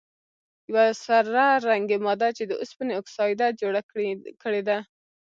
یوه سره رنګې ماده چې د اوسپنې اکسایډ ده جوړه کړي ده.